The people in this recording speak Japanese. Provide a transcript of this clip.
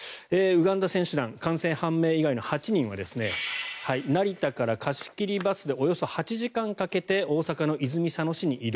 ウガンダ選手団感染判明以外の８人は成田から貸し切りバスでおよそ８時間かけて大阪の泉佐野市に移動。